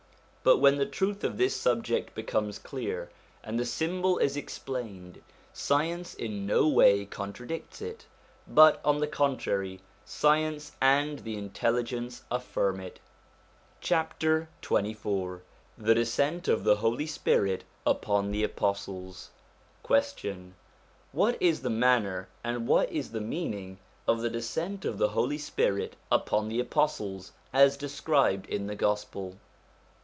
But when the truth of this subject becomes clear, and the symbol is explained, science in no way contradicts it ; but, on the contrary, science and the intelligence affirm it. XXIV THE DESCENT OF THE HOLY SPIRIT UPON THE APOSTLES Question. What is the manner, and what is the meaning, of the descent of the Holy Spirit upon the apostles, as described in the Gospel